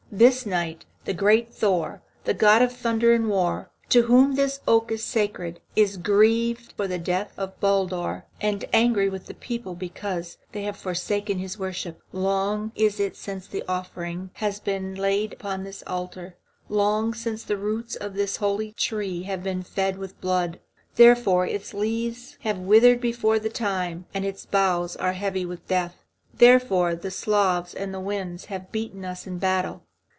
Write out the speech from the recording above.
This night the great Thor, the god of thunder and war, to whom this oak is sacred, is grieved for the death of Baldur, and angry with this people because they have forsaken his worship. Long is it since an offering has been laid upon his altar, long since the roots of his holy tree have been fed with blood. Therefore its leaves have withered before the time, and its boughs are heavy with death. Therefore the Slavs and the Wends have beaten us in battle.